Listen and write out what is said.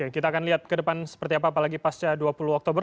kita akan lihat ke depan seperti apa apalagi pasca dua puluh oktober